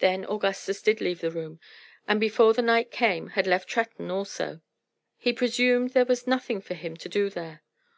Then Augustus did leave the room, and before the night came had left Tretton also. He presumed there was nothing for him to do there.